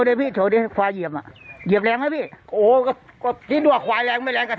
ทั้งตัวน่ามา